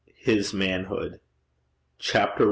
HIS MANHOOD. CHAPTER I.